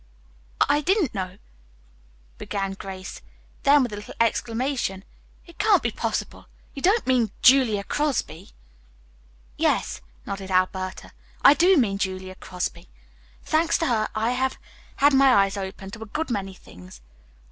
"I didn't know," began Grace, then with a little exclamation: "It can't be possible! You don't mean Julia Crosby?" "Yes," nodded Alberta. "I do mean Julia Crosby. Thanks to her, I have had my eyes opened to a good many things.